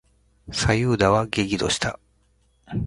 左右田は激怒した。